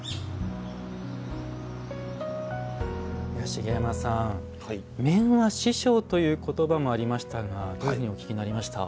茂山さん、面は師匠という言葉もありましたがどういうふうにお聞きになりました？